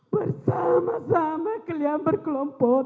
bersama sama kalian berkelompotan